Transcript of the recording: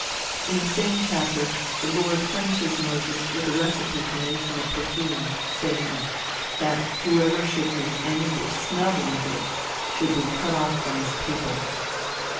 In the same chapter, the Lord furnishes Moses with a recipe for making a perfume, saying, that whoever should make any which smelled like it, should be cut off from his people.